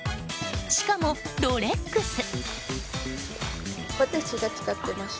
しかも、ロレックス。